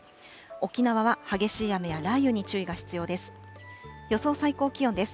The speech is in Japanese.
沖縄は激しい雨や雷雨に注意が必要です。